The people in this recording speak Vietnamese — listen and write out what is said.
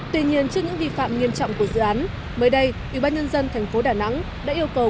tuy nhiên trước những vi phạm nghiêm trọng của dự án mới đây ủy ban nhân dân tp đà nẵng đã yêu cầu